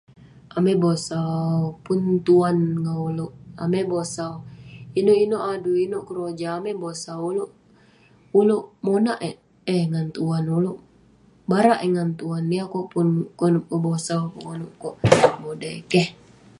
Amai bosau, pun tuan ngan ulouk..amai bosau ..inouk inouk adui, inouk keroja, amai bosau..ulouk, ulouk monak eh ngan tuan, ulouk barak eh ngan tuan..niah kok pun konep bosau pun konep modai, keh...